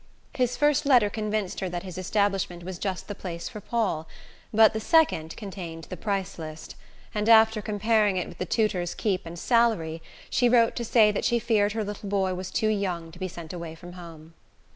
His first letter convinced her that his establishment was just the place for Paul; but the second contained the price list, and after comparing it with the tutor's keep and salary she wrote to say that she feared her little boy was too young to be sent away from home.